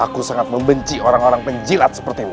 aku sangat membenci orang orang penjilat sepertimu